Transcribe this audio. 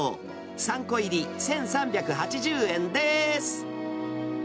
３個入り１３８０円です。